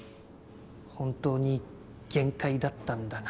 本当に限界だったんだな。